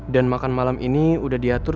dan makan malam ini udah diatur